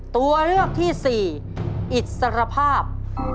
ตัวเลือกที่สี่อิสรภาพ